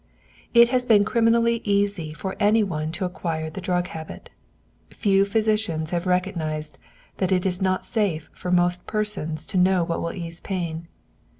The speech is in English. It has been criminally easy for any one to acquire the drug habit. Few physicians have recognized that it is not safe for most persons to know what will ease pain.